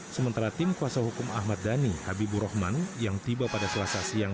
sementara tim kuasa hukum ahmad dhani habibur rahman yang tiba pada selasa siang